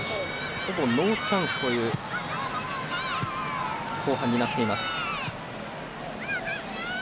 ほぼノーチャンスという後半になっています。